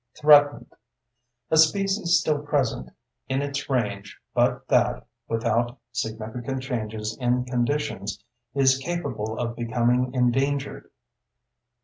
THREATENED: A species still present in its range but that, without significant changes in conditions, is capable of becoming endangered.